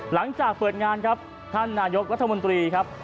หลังจากเปิดงานครับท่านนายกรัฐมนตรีครับ